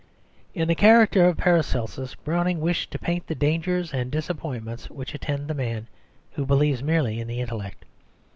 In the character of Paracelsus, Browning wished to paint the dangers and disappointments which attend the man who believes merely in the intellect.